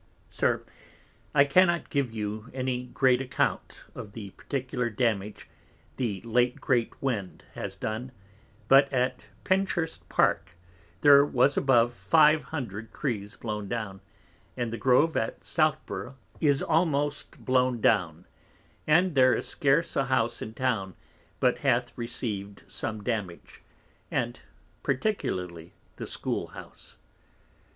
_ SIR, I cannot give you any great account of the particular damage the late great Winds has done, but at Penchurst Park there was above 500 Trees blown down, and the Grove at Southborough is almost blown down; and there is scarce a House in Town, but hath received some damage, and particularly the School House.